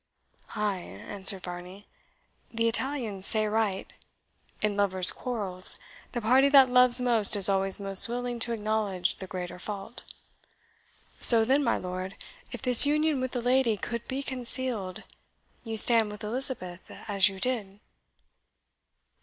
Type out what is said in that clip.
"Ay," answered Varney; "the Italians say right in lovers' quarrels, the party that loves most is always most willing to acknowledge the greater fault. So then, my lord, if this union with the lady could be concealed, you stand with Elizabeth as you did?"